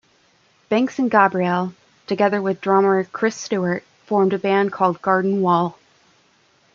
Banks and Gabriel, together with drummer Chris Stewart, formed a band called Garden Wall.